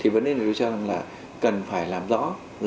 vấn đề tôi cho rằng là cần phải làm rõ